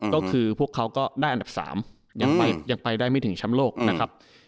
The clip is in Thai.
ก็คือพวกเขาก็ได้อันดับ๓ยังไปได้ไม่ถึงแชมป์โลกนะครับ